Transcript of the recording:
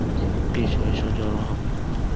এসো, এসো, জড়ো হও।